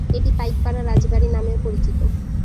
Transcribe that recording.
এটি পাইকপাড়া রাজবাড়ী নামেও পরিচিত।